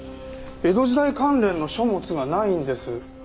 江戸時代関連の書物がないんです。